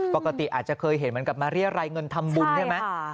ปกติอาจจะเคยเห็นเหมือนกับมาเรียรัยเงินทำบุญใช่ไหม